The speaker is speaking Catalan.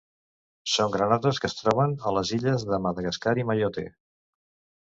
Són granotes que es troben a les illes de Madagascar i Mayotte.